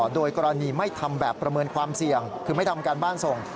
โดยกรณีไม่ทำแบบประเมินความเสี่ยงคือไม่ทำการบ้านส่ง